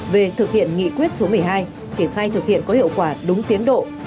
về thực hiện nghị quyết số một mươi hai triển khai thực hiện có hiệu quả đúng tiến độ